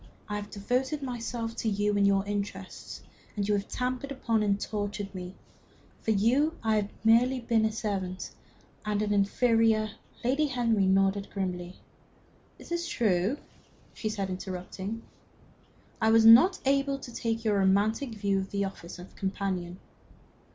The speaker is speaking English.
I have devoted myself to you and your interests, and you have trampled upon and tortured me. For you I have been merely a servant, and an inferior " Lady Henry nodded grimly. "It is true," she said, interrupting, "I was not able to take your romantic view of the office of companion."